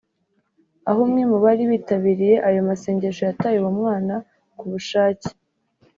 aho umwe mu bari bitabiriye ayo masengesho yataye uwo mwana ku bushake